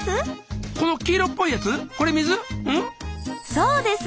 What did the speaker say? そうです。